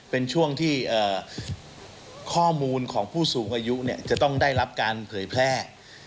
เป็นช่วงที่ข้อมูลของผู้สูงอายุจะต้องได้รับการเผยแพร่